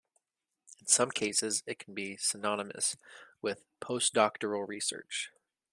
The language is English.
In some cases it can be synonymous with postdoctoral research.